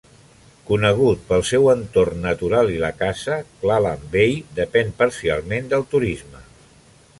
Conegut pel seu entorn natural i la caça, Clallam Bay depèn parcialment del turisme.